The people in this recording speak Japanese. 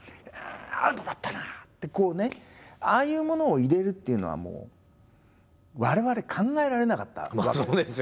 アウトだったな！ってこうねああいうものを入れるっていうのはもう我々考えられなかったわけです。